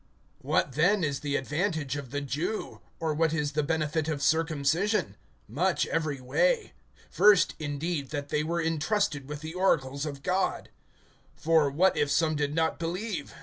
WHAT then is the advantage of the Jew? Or what is the benefit of circumcision? (2)Much every way; first, indeed, that they were intrusted with the oracles of God. (3)For what if some did not believe?